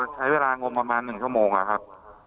ใช้เวลางมประมาณหนึ่งชั่วโมงครับ